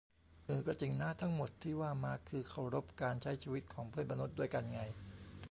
อือ ก็จริงนะ ทั้งหมดที่ว่ามาคือเคารพการใช้ชีวิตของเพื่อนมนุษย์ด้วยกันไง